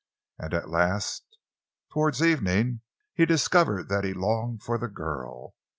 And at last, toward evening, he discovered that he longed for the girl.